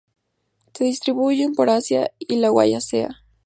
Se distribuyen por Asia y la Wallacea.